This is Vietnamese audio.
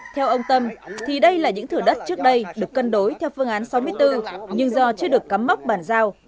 theo ông tâm thì đây là những thửa đất trước đây được cân đối theo phương án sáu mươi bốn nhưng do chưa được cắm mốc bàn giao